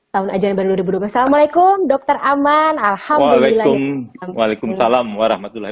tahun ajaran baru dua ribu dua belas assalamualaikum dokter aman alhamdulillah waalaikumsalam warahmatullahi wabarakatuh